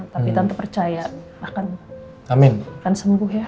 tapi tante percaya akan sembuh ya